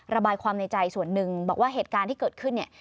ระบายความในใจส่วนหนึ่งบอกว่าเหตุการณ์ที่เกิดขึ้นเนี่ย